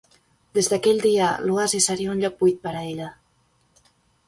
Des d'aquell dia, l'oasi seria un lloc buit per a ella.